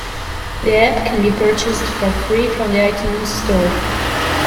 The app can be purchased for free from the iTunes Store.